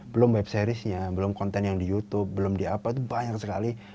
belum web seriesnya belum konten yang di youtube belum di apa itu banyak sekali